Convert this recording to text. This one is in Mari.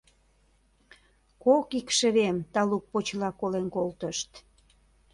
Кок икшывем талук почела колен колтышт.